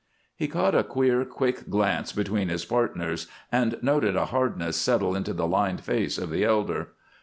He caught a queer, quick glance between his partners and noted a hardness settle into the lined face of the elder.